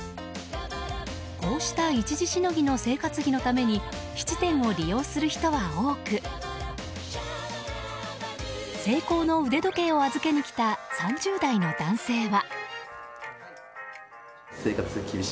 こうした一時しのぎの生活費のために質店を利用する人は多くセイコーの腕時計を預けに来た３０代の男性は。